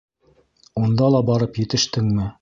Унда ла барып етештеңме?